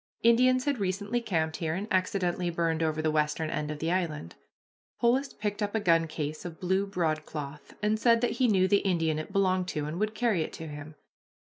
Indians had recently camped here, and accidentally burned over the western end of the island. Polis picked up a gun case of blue broadcloth, and said that he knew the Indian it belonged to and would carry it to him.